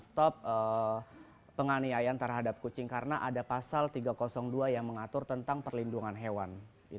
stop penganiayaan terhadap kucing karena ada pasal tiga ratus dua yang mengatur tentang perlindungan hewan